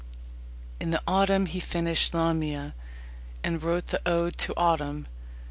In the autumn he finished Lamia, and wrote the Ode to Autumn.